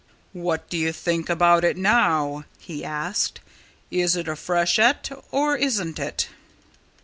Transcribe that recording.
"What do you think about it now?" he asked. "Is it a freshet or isn't it?"